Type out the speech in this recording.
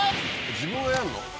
自分がやんの？